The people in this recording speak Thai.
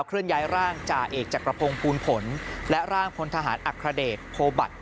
เคลื่อนย้ายร่างจ่าเอกจักรพงศ์ภูลผลและร่างพลทหารอัครเดชโพบัตร